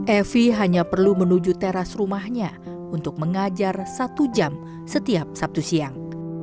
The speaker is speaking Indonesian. evi hanya perlu menuju teras rumahnya untuk mengajar satu jam setiap sabtu siang